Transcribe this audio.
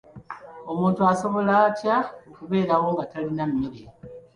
Omuntu asobola atya okubeerawo nga talina mmere?